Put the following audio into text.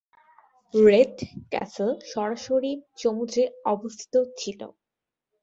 Red castle সরাসরি সমুদ্রে অবস্থিত ছিল।